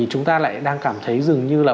chúng ta lại đang cảm thấy dường như là